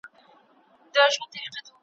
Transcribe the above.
نه دوستي نه دښمني وي نه یاري وي نه ګوندي وي ,